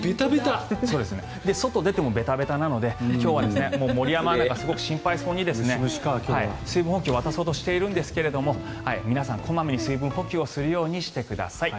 外に出てもべたべたなので今日は森山アナがすごく心配そうに水分補給を渡そうとしているんですが皆さん小まめに水分補給をするようにしてください。